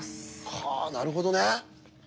はあなるほどね。